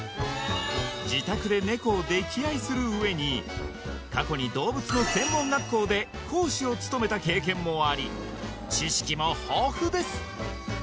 自宅でネコを溺愛する上に過去に動物の専門学校で講師を務めた経験もあり知識も豊富です